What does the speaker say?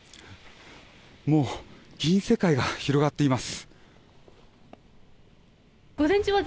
もう、銀世界が広がっています。